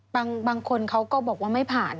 บางคนเขาก็บอกว่าไม่ผ่าน